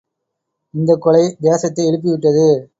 இந்தக் கொலை, தேசத்தை எழுப்பி விட்டது.